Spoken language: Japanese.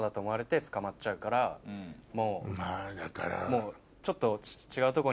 もうちょっと。